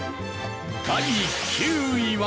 第９位は。